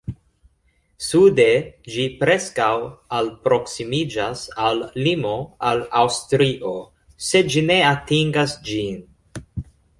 Sude ĝi preskaŭ alproksimiĝas al limo al Aŭstrio, sed ĝi ne atingas ĝin.